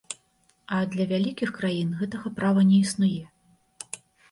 А для вялікіх краін гэтага права не існуе.